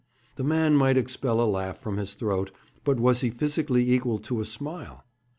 The man might expel a laugh from his throat, but was he physically equal to a smile?